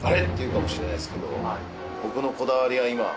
って言うかもしれないですけど僕のこだわりは今。